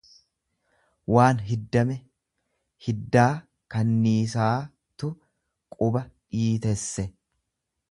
waan hiddame; Hiddaa kanniisaa tu quba dhiitesse.